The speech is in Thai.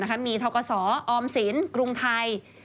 ถ้ามีเทาขสออมศิลป์กรุงไทย